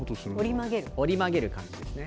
折り曲げる感じですね。